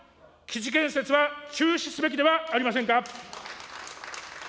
基地建設は中止すべきではありませんか。